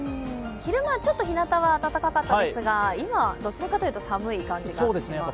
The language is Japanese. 昼間、ちょっと、ひなたは暖かかったですが、今、どちらかというと寒い感じがします。